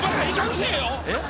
えっ？